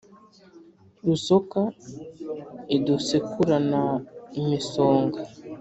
rusoka idusekurana imisonga